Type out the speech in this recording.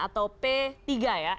atau p tiga ya